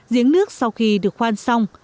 giếng nước sau khi được khoan xong